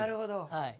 はい。